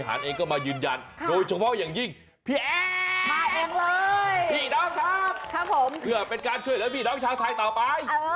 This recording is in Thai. แจกต่อคือแจกมอเตอร์ไซค์อีกร้อยคัน